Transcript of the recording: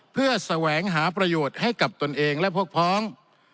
เพื่อแศงเปลี่ยนหาประโยชน์ให้กับตัวเองและพวกพอง